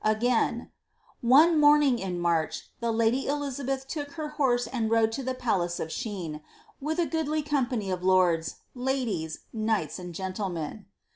''* Again :^ one morning in March the lady Elizabeth took her horse and rode to the palace of Shene, with a goodly company of lords, ladies, knights and gentlemen."